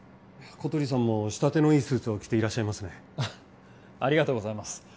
小鳥さんも仕立てのいいスーツを着ていらっしゃいますねありがとうございます